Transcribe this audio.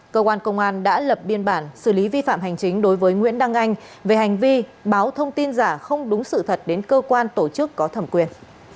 cơ quan công an đã lập biên bản xử lý vi phạm hành chính đối với nguyễn đăng anh về hành vi báo thông tin giả không đúng sự thật đến cơ quan tổ chức có thẩm quyền